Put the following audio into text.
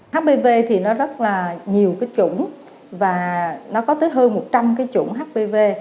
hpv thì nó rất là nhiều cái chủng và nó có tới hơn một trăm linh cái chủng hpv